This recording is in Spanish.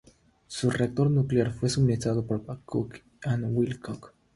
Su reactor nuclear fue suministrado por Babcock and Wilcox.